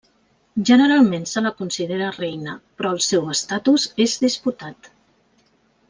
Generalment, se la considera reina, però el seu estatus és disputat.